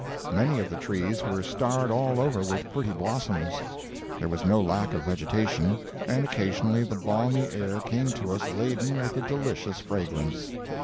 Many of the trees were starred all over with pretty blossoms. There was no lack of vegetation, and occasionally the balmy air came to us laden with a delicious fragrance.